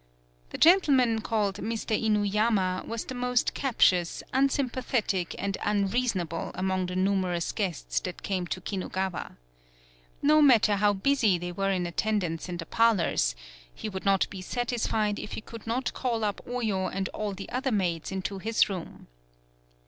The gentleman called Mr. Inuyama was the most captious, unsympathetic and unreasonable among the numerous guests that came to Kinugawa. No matter how busy they were in attendance in the parlors, he would not be satisfied if he could not call up Oyo and all the other maids into his room.